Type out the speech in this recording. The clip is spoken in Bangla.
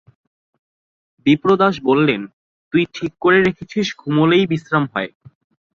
বিপ্রদাস বললে, তুই ঠিক করে রেখেছিস ঘুমোলেই বিশ্রাম হয়!